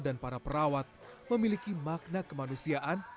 dan para perawat memiliki makna kemanusiaan